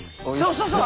そうそうそう。